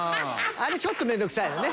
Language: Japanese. あれちょっと面倒くさいよね。